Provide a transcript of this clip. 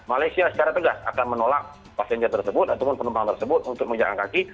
maka malaysia secara tegas akan menolak pasien tersebut atau penumpang tersebut untuk mengijakan kaki